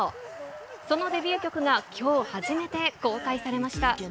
そのデビュー曲がきょう初めて公開されました。